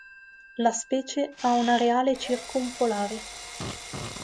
La specie ha un areale circumpolare.